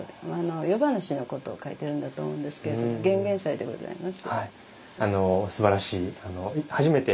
夜咄のことを書いているんだと思うんですけれども玄々斎でございます。